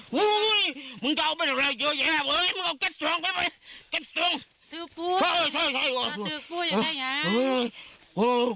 กลับแรงแรง